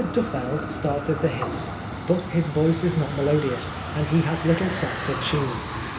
Duffeld started the hymns, but his voice is not melo dious, and he has little sense of tune.